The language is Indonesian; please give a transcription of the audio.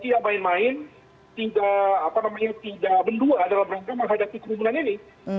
tidak main main tidak bendua dalam rangka menghadapi kerumunan ini